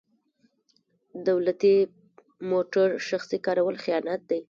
دولتي موټر شخصي کارول خیانت دی.